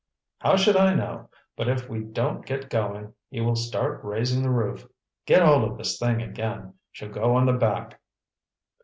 "How should I know? But if we don't get goin' he will start raisin' the roof. Git hold of this thing again—she'll go on the back."